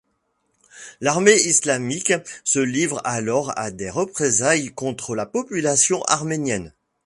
L'armée islamique se livre alors à des représailles contre la population arménienne.